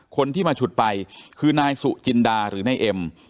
คนที่มาฉุดไปคือนายสุจินดาหรือนายเอ็ม